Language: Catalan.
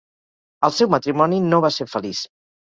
El seu matrimoni no va ser feliç.